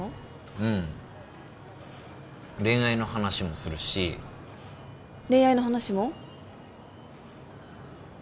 うん恋愛の話もするし恋愛の話も？